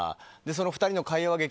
その２人の会話劇